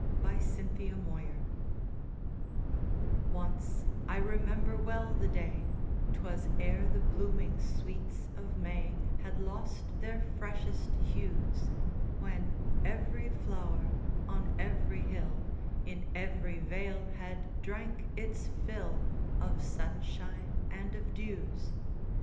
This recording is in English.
THE ENTHUSIAST Once I remember well the day, 'Twas ere the blooming sweets of May Had lost their freshest hues, When every flower on every hill, In every vale, had drank its fill Of sunshine and of dews.